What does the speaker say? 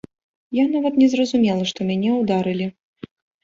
Я нават не зразумела, што мяне ударылі.